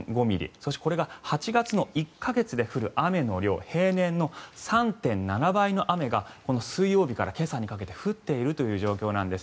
そして、これが８月の１か月で降る雨の量平年の３．７倍の雨がこの水曜日から今朝にかけて降っているという状況なんです。